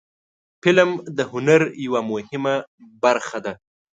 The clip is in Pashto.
فلم د هنر یوه مهمه برخه ده